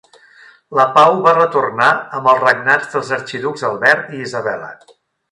La pau va retornar amb els regnats dels arxiducs Albert i Isabela.